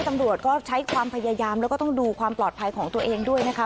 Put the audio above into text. ตำรวจก็ใช้ความพยายามแล้วก็ต้องดูความปลอดภัยของตัวเองด้วยนะคะ